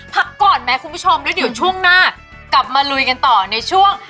พักก่อนไหมคุณผู้ชมแล้วเดี๋ยวช่วงหน้ากลับมาลุยกันต่อในช่วง